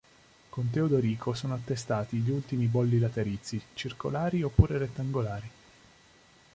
Con Teodorico sono attestati gli ultimi bolli laterizi, circolari oppure rettangolari.